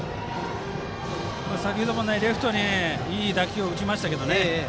先程もレフトにいい打球を打ちましたよね。